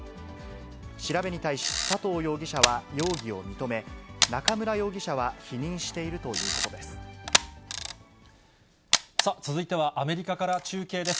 調べに対し、佐藤容疑者は容疑を認め、中村容疑者は否認しているということでさあ、続いてはアメリカから中継です。